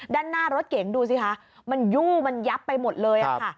ด้านหน้ารถเก๋งดูสิคะมันยู่มันยับไปหมดเลยค่ะ